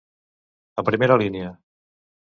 A primera línia.